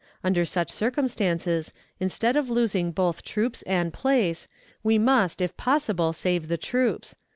Under such circumstances, instead of losing both troops and place, we must, if possible, save the troops.